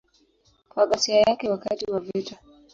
Kwa ghasia yake wakati wa vita.